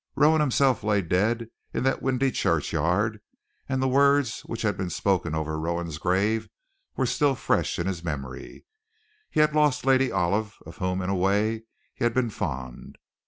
Rowan himself lay dead in that windy churchyard, and the words which had been spoken over Rowan's grave were still fresh in his memory. He had lost Lady Olive, of whom, in a way, he had been fond.